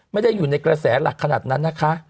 ไม่ได้อยู่ในกระแสหลักขนาดนั้นนะคะ